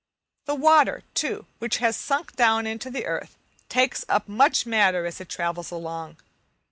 The water, too, which has sunk down into the earth, takes up much matter as it travels along.